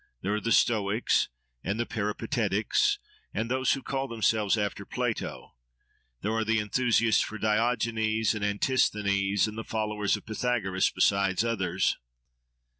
There are the Stoics, and the Peripatetics, and those who call themselves after Plato: there are the enthusiasts for Diogenes, and Antisthenes, and the followers of Pythagoras, besides others.